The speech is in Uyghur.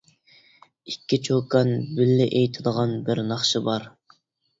ئىككى چوكان بىللە ئېيتىدىغان بىر ناخشا بار.